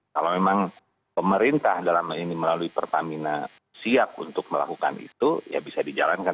kalau memang pemerintah dalam hal ini melalui pertamina siap untuk melakukan itu ya bisa dijalankan